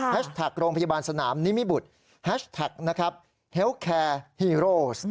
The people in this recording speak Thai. แฮชแท็กโรงพยาบาลสนามนิมิบุตร